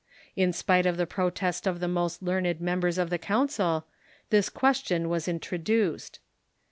In spite of the protest of the most learned members of the council, this question Av^as in troduced.